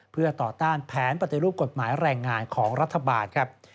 เพื่อต่อต้านแผนปฏิรูปกฎหมายแรงงานของรัฐบาลครับ